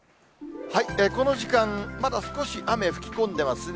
この時間、まだ少し雨吹き込んでますね。